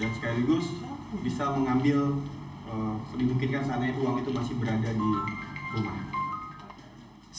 dan sekaligus bisa mengambil dimungkinkan saatnya uang itu masih berada di rumah